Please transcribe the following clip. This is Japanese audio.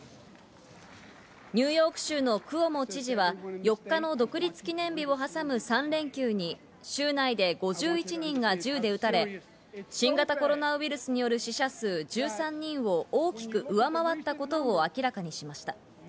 ニューヨーク州のクオモ知事は４日の独立記念日を挟む３連休に州内で５１人が銃で撃たれ新型コロナウイルスによる死者数１３人を大きく上回ったことを明らかにしました。